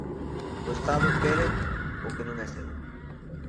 O Estado quere o que non é seu.